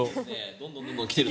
どんどん来ていると。